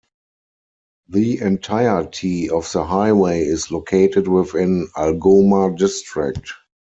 The entirety of the highway is located within Algoma District.